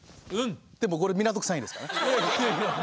これ港区３位ですから。